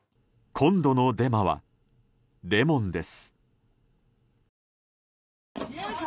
今度のデマはレモンです。